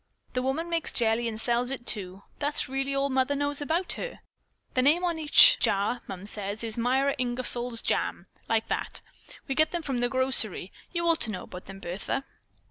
The woman makes jelly and sells it, too. That's really all Mother knows about her. The name is on each jar, Mums says. 'Myra Ingersol's Jams,' like that. We get them from the grocery. You ought to know about them, Bertha."